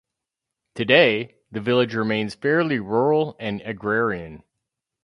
Today, the village remains fairly rural and agrarian.